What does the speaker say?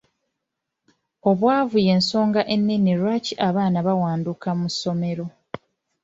Obwavu y'ensonga ennene lwaki abaana bawanduka mu ssomero.